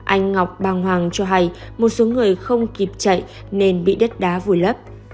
anh ngọc bàng hoàng cho hay một số người không kịp chạy nên bị đất đá vùi lấp